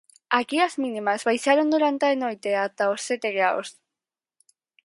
Aquí as mínimas baixaron durante a noite ata os sete graos.